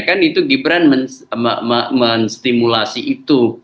kan itu gibran menstimulasi itu